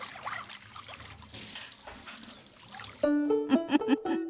ウフフフ。